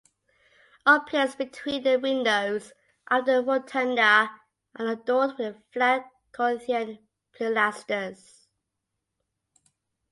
All pillars between the windows of the rotunda are adorned with flat Corinthian pilasters.